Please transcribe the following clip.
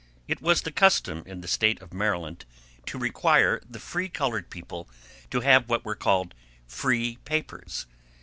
It was the custom in the State of Maryland to require the free colored people to have what were called free papers.